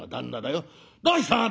『どうした！？